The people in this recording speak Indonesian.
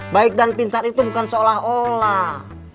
baik dan pintar itu bukan seolah olah